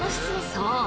そう！